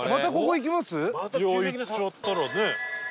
いや行っちゃったらね。